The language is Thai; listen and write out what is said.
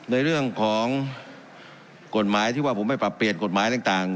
ในเรื่องของกฎหมายที่ว่าผมไม่ปรับเปลี่ยนกฎหมายต่าง